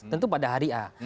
tentu pada hari a